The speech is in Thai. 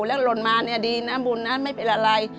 แล้วหล่นมาเนี่ยดีนะบุญนั้นไม่เป็นอะไร